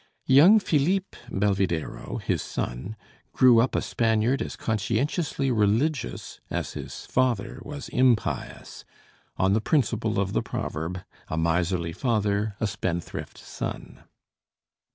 Young Philippe Belvidéro, his son, grew up a Spaniard as conscientiously religious as his father was impious, on the principle of the proverb: "A miserly father, a spendthrift son."